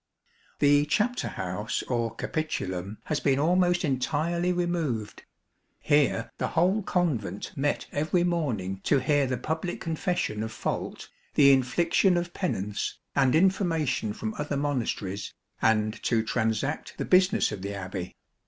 The chapter house or capitulum, has been almost entirely removed. Here the whole Convent met every morning to hear the public confession of fault, the infliction of penance, and information from other monasteries, and to transact the business of the Abbey.